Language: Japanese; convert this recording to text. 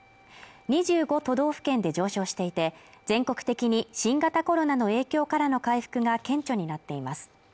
２５都道府県で上昇していて、全国的に新型コロナの影響からの回復が顕著になっています。